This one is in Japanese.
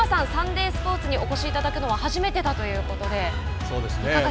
サンデースポーツにお越しいただくのは初めてだということで。